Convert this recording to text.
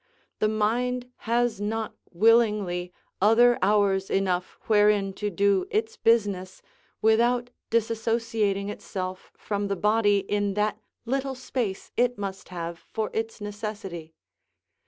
The mind has not willingly other hours enough wherein to do its business, without disassociating itself from the body, in that little space it must have for its necessity.